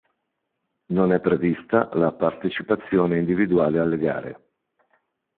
Non è prevista la partecipazione individuale alle gare.